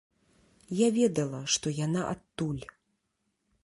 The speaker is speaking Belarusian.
Я ведала, што яна адтуль.